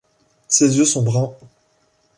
Ses yeux sont bruns.